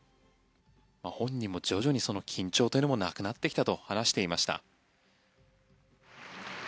本人も徐々に緊張というのもなくなってきたと話していました。